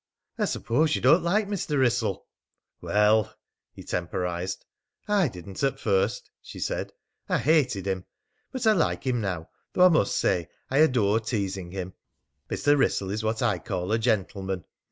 "I suppose you don't like Mr. Wrissell?" "Well " he temporised. "I didn't at first," she said. "I hated him. But I like him now, though I must say I adore teasing him. Mr. Wrissell is what I call a gentleman.